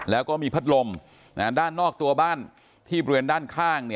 แล้วก็มีพัดลมด้านนอกตัวบ้านที่บริเวณด้านข้าง